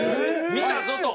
見たぞと。